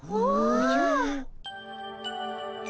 おじゃ。